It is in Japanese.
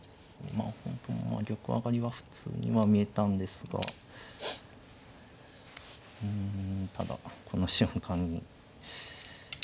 まあ本譜も玉上がりが普通に見えたんですがうんただこの瞬間に。